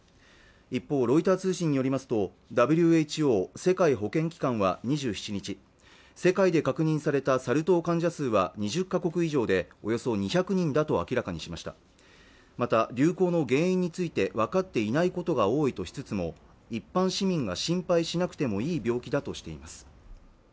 一方、ロイター通信によりますとＷＨＯ＝世界保健機関は２７日世界で確認されたサル痘患者数は２０か国以上でおよそ２００人だと明らかにしましたまた流行の原因についてわかっていないことが多いとしつつも一般市民が心配しなくてもいい病気だとしています